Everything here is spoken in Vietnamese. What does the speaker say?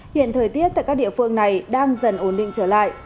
hiện thời tiết tại các địa phương này đang dần ổn định trở lại